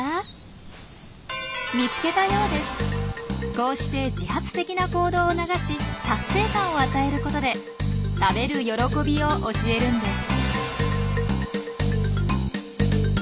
こうして自発的な行動を促し達成感を与えることで食べる喜びを教えるんです。